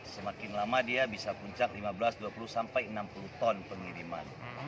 semakin lama dia bisa puncak lima belas dua puluh sampai enam puluh ton pengiriman